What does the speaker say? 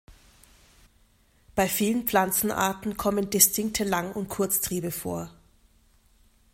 Bei vielen Pflanzenarten kommen distinkte Lang- und Kurztriebe vor.